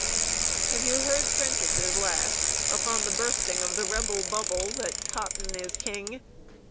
Have you heard Prentice's last, upon the bursting of the Rebel bubble that Cotton is King?